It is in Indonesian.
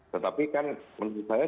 tetapi kan menurut saya